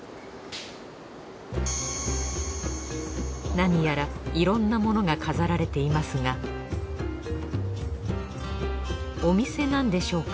何やらいろんなものが飾られていますがお店なんでしょうか？